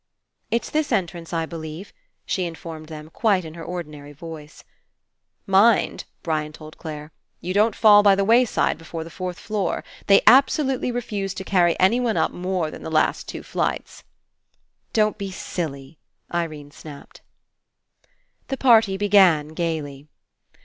"It's this entrance, I believe," she In formed them in quite her ordinary voice. 204 FINALE ''Mind," Brian told Clare, "you don't fall by the wayside before the fourth floor. They absolutely refuse to carry anyone up more than the last two flights." ''Don't be silly!" Irene snapped. The party began gaily.